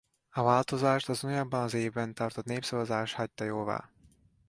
A változást az ugyanabban az évben tartott népszavazás hagyta jóvá.